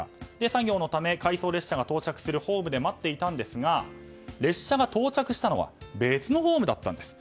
作業のため回送列車が到着するホームで待っていたんですが列車が到着したのは別のホームだったんです。